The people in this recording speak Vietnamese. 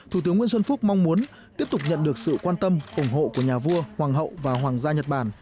thủ tướng nguyễn xuân phúc mong muốn tiếp tục nhận được sự quan tâm ủng hộ của nhà vua hoàng hậu và hoàng gia nhật bản